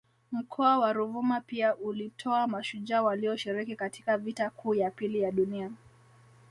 Mkoa wa Ruvuma pia ulitoa mashujaa walioshiriki katika Vita kuu ya pili ya Dunia